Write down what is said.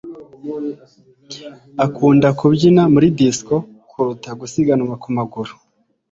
Akunda kubyina muri disco kuruta gusiganwa ku maguru.